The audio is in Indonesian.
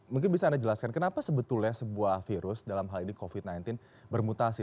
mungkin bisa anda jelaskan kenapa sebetulnya sebuah virus dalam hal ini covid sembilan belas bermutasi